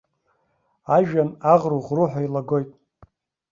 Ажәҩан аӷру-ӷруҳәа илагоит.